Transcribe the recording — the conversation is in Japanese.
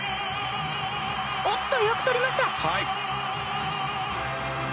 おっと、よくとりました。